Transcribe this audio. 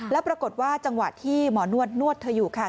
แล้วปรากฏว่าจังหวะที่หมอนวดนวดเธออยู่ค่ะ